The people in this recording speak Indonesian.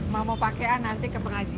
mau pakaian nanti ke pengajian